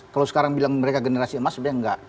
kalau sekarang bilang mereka generasi emas sebenarnya enggak